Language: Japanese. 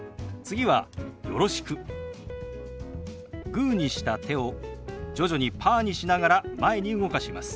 グーにした手を徐々にパーにしながら前に動かします。